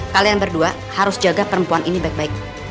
kalian berdua harus jaga perempuan ini baik baik